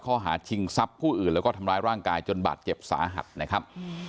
ข้อหาชิงทรัพย์ผู้อื่นแล้วก็ทำร้ายร่างกายจนบาดเจ็บสาหัสนะครับ